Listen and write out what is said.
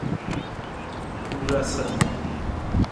Wurasa.